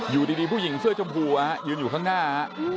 อยู่ดีผู้หญิงเสื้อชมพูยืนอยู่ข้างหน้า